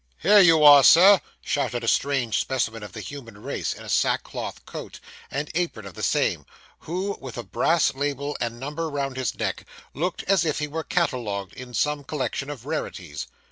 'Here you are, sir,' shouted a strange specimen of the human race, in a sackcloth coat, and apron of the same, who, with a brass label and number round his neck, looked as if he were catalogued in some collection of rarities.